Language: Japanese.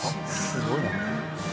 すごいな。